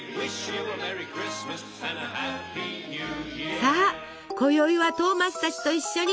さあこよいはトーマスたちと一緒に！